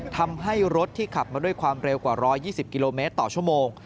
ทำให้รถที่ขับมาด้วยความเร็วกว่า๑๒๐กิโลเมตรต่อชั่วโมง